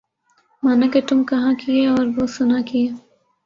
مانا کہ تم کہا کیے اور وہ سنا کیے